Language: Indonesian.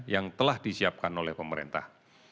yang telah disiapkan oleh pemerintah